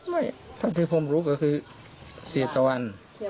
ไม่เท่าที่ผมรู้ก็คือเสียตะวัน